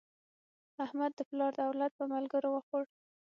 احمد د پلار دولت په ملګرو وخوړ.